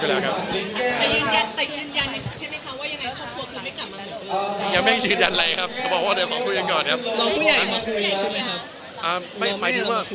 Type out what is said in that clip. เราคุยอย่างไรมาคุยใช่ไหมครับ